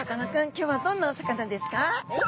今日はどんなお魚ですか？」。